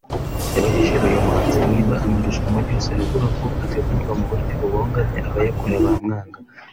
yabajije uyu muhanzi niba amarushanwa yose avuga ko ategurwa mu buryo bubogamye abayakora bamwanga